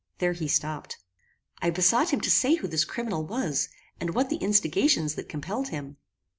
There he stopped. I besought him to say who this criminal was, and what the instigations that compelled him.